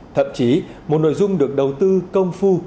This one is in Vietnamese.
thậm chí một nội dung được đầu tư công phu